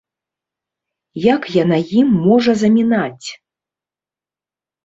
Як яна ім можа замінаць?